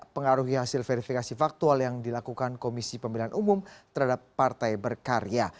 pengaruhi hasil verifikasi faktual yang dilakukan komisi pemilihan umum terhadap partai berkarya